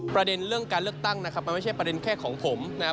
ประเด็นเรื่องการเลือกตั้งนะครับมันไม่ใช่ประเด็นแค่ของผมนะครับ